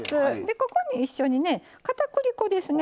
ここに一緒にねかたくり粉ですね。